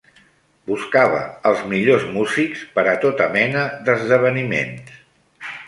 Buscava els millors músics per a tota mena d'esdeveniments.